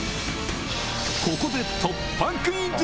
ここで突破クイズ！